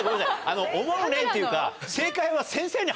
あの「思うねん」っていうか。